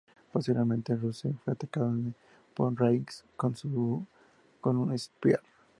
Posteriormente, Rusev fue atacado por Reigns con un "Spear".